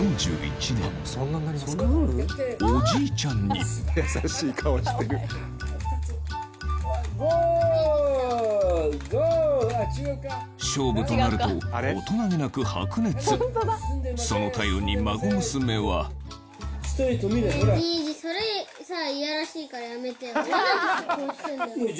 おじいちゃんに勝負となると大人げなく白熱その態度に孫娘はねぇじいじそれさ。